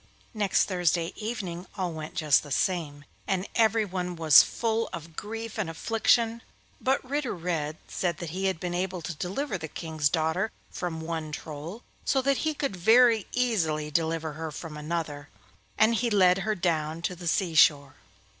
Next Thursday evening all went just the same, and everyone was full of grief and affliction, but Ritter Red said that he had been able to deliver the King's daughter from one Troll, so that he could very easily deliver her from another, and he led her down to the sea shore.